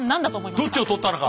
どっちを取ったのか？